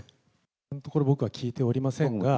本当、これ、僕は聞いておりませんが。